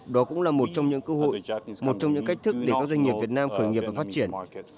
đó cũng là một trong những cơ hội một trong những cách thức để các doanh nghiệp việt nam khởi nghiệp và phát triển